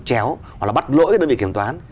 chéo hoặc là bắt lỗi cái đơn vị kiểm toán